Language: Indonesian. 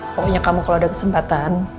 pokoknya kamu kalau ada kesempatan